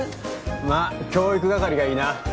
まぁ教育係がいいな。